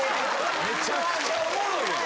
・めちゃくちゃおもろいやん！